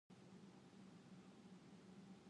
Sebenarnya apa yang terjadi?